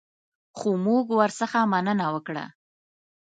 خو موږ ورڅخه مننه وکړه.